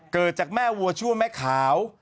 เกิดจากแม่วัวชั่วแม่ขาว